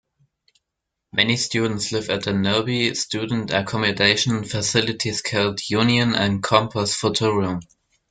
Many students live at the nearby student accommodation facilities called Unionen and Campus Futurum.